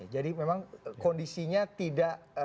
jadi memang kondisinya tidak